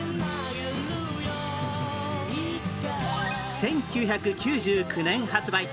１９９９年発売